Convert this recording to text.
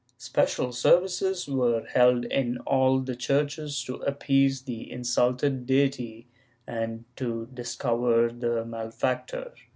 Special services were held in all the churches to appease the insulted deity and to dis cover the malefactor.